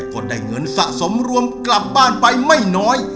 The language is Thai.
ก็ได้เงินสะสมรวมกลับบ้านไปไม่น้อย